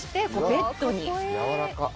ベッドやわらかい。